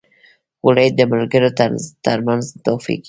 خولۍ د ملګرو ترمنځ تحفه کېږي.